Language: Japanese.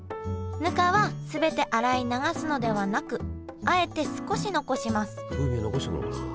ぬかは全て洗い流すのではなくあえて少し残します。